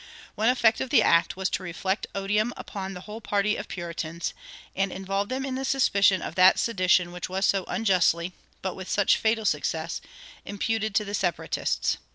One effect of the act was to reflect odium upon the whole party of Puritans, and involve them in the suspicion of that sedition which was so unjustly, but with such fatal success, imputed to the Separatists.